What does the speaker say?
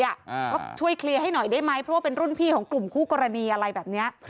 ว่าช่วยเคลียร์ให้หน่อยได้ไหมเพราะว่าเป็นรุ่นพี่ของกลุ่มคู่กรณีอะไรแบบนี้